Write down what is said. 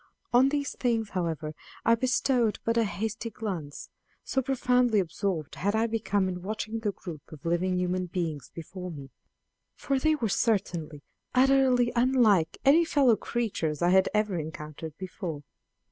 On these things, however, I bestowed but a hasty glance, so profoundly absorbed had I become in watching the group of living human beings before me; for they were certainly utterly unlike any fellow creatures I had ever encountered before.